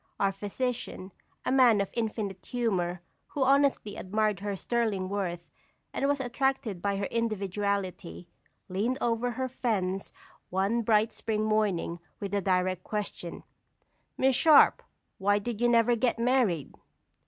Our physician, a man of infinite humor, who honestly admired her sterling worth, and was attracted by her individuality, leaned over her fence one bright spring morning, with the direct question: "Miss Sharp, why did you never get married?"